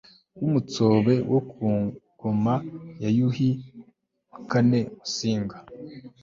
w'umutsobe wo kugoma ya yuhi iv musinga